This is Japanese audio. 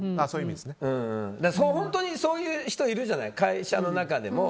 本当にそういう人いるじゃない会社の中でも。